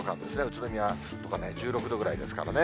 宇都宮とかね、１６度ぐらいですからね。